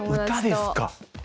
歌ですか。